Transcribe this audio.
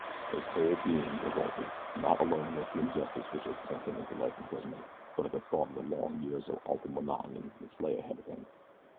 His whole being revolted, not alone against the injustice which had sent him into life imprisonment, but at the thought of the long years of awful monotony which lay ahead of him.